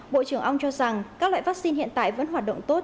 bộ trưởng ong cho rằng các loại vaccine hiện tại vẫn hoạt động tốt